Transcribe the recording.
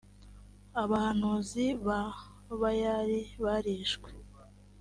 abahanuzi ba bayali barishwe